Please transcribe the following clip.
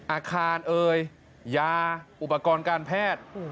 อาคารเอ่ยยาอุปกรณ์การแพทย์